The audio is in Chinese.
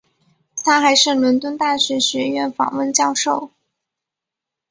他还是伦敦大学学院访问教授。